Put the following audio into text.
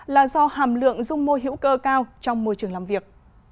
là do hàm lượng dung môi hữu cơ cao trong môi trường làm việc